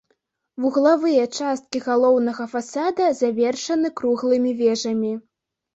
Вуглавыя часткі галоўнага фасада завершаны круглымі вежамі.